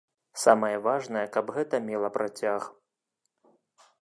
Самае важнае, каб гэта мела працяг.